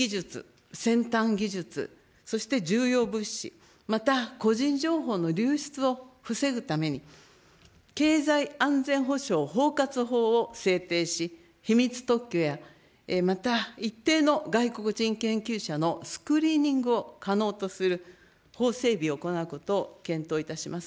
機微技術、先端技術、そして重要物資、また個人情報の流出を防ぐために、経済安全保障包括法を制定し、秘密特許や、また一定の外国人研究者のスクリーニングを可能とする法整備を行うことを検討いたします。